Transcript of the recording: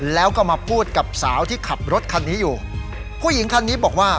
แล้วก็มาพูดกับสาวที่ขับรถคันนี้อยู่ผู้หญิงคันนี้บอกว่า